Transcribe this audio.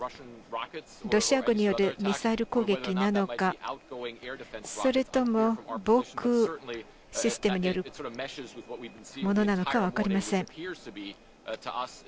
ロシア軍によるミサイル攻撃なのかそれとも防空システムによるものなのかは分かりません。